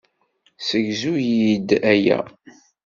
Segzu-yi-d aya.